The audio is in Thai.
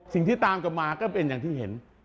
สิ่งที่ตามกลับมาก็เป็นอย่างที่เห็น